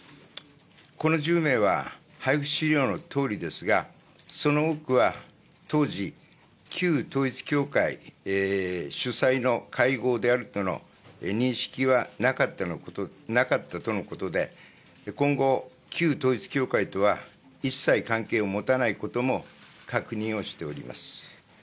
この１０名は、配布資料のとおりですが、その多くは当時、旧統一教会主催の会合であるとの認識はなかったとのことで、今後、旧統一教会とは一切関係を持たないことも、確認をしております。